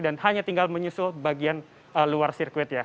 dan hanya tinggal menyusul bagian luar sirkuitnya